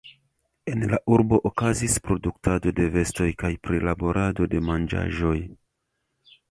En la urbo okazas produktado de vestoj kaj prilaborado de manĝaĵoj.